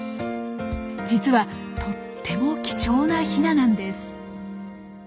実はとっても貴重なヒナなんです。